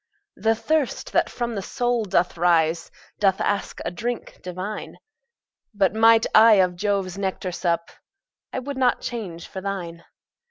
The thirst that from the soul doth rise, Doth ask a drink divine: But might I of Jove's nectar sup, I would not change for thine.